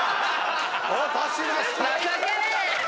落としました！